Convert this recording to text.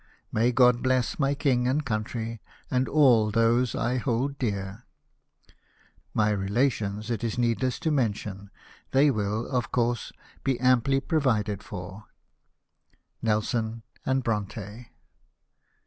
May God bless my King and country, and all those I hold dear ! My relations it is needless to mention : they will, of course, be amply provided for. "Nelson and Bronte."